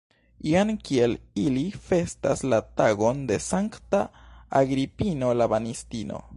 Jen kiel ili festas la tagon de sankta Agripino la Banistino!